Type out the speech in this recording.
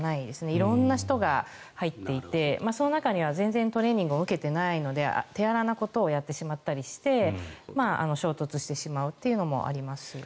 色んな人が入っていてその中には全然トレーニングを受けていないので、手荒なことをやってしまったりして衝突してしまうというのもあります。